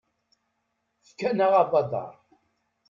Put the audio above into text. Fkan-aɣ abadaṛ.